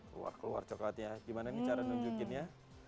keluar keluar coklatnya gimana nih cara nunjukinnya